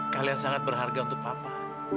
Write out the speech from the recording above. kalian sangat berharga untuk papa